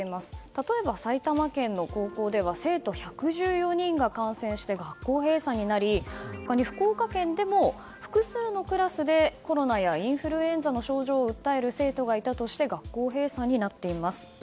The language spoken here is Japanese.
例えば、埼玉県の高校では生徒１１４人が感染して学校閉鎖になり、他に福岡県でも複数のクラスでコロナやインフルエンザの症状を訴える生徒がいたとして学校閉鎖になっています。